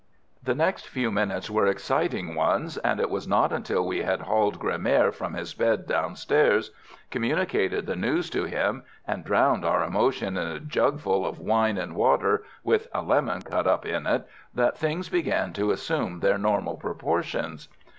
_" The next few minutes were exciting ones, and it was not until we had hauled Gremaire from his bed downstairs, communicated the news to him, and drowned our emotion in a jugful of wine and water, with a lemon cut up in it, that things began to assume their normal proportions.